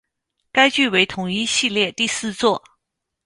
该剧为同一系列第四作。